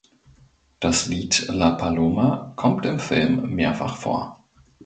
Das Lied "La Paloma" kommt im Film mehrfach vor.